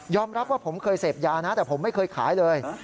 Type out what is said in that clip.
รับว่าผมเคยเสพยานะแต่ผมไม่เคยขายเลย